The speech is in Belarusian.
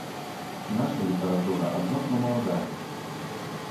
Наша літаратура адносна маладая.